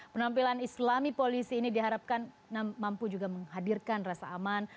penampilan islami polisi ini diharapkan mampu juga menghadirkan rasa aman